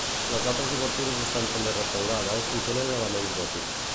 Les altres obertures estan també restaurades i tenen elements gòtics.